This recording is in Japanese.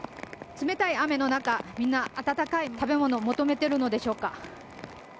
冷たい雨の中、みんな温かい食べ物を求めているのでしょうか。